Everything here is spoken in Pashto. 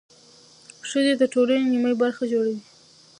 ښځې د ټولنې نیمه برخه جوړوي.